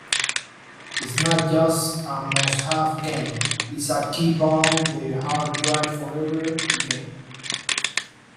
It's not just a must-have game; it's a keep-on-the-hard-drive-forever game.